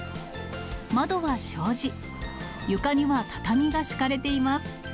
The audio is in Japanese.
窓は障子、床には畳が敷かれています。